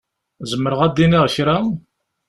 Zemreɣ ad d-iniɣ kra?